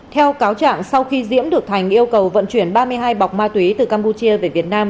theo cáo trạng sau khi diễm được thành yêu cầu vận chuyển ba mươi hai bọc ma túy từ campuchia về việt nam